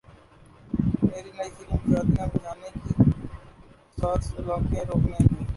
میری نئی فلم شادیاں بچانے کے ساتھ طلاقیں روکے گی